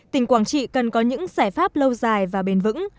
tỉnh quảng trị cần có những giải pháp lâu dài và bền vững